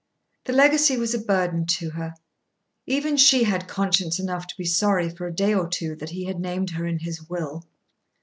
The legacy was a burden to her. Even she had conscience enough to be sorry for a day or two that he had named her in his will.